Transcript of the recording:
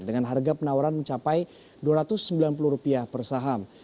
dengan harga penawaran mencapai rp dua ratus sembilan puluh per saham